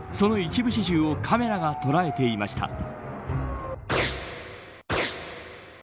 その一部始終をカメラが捉えていました。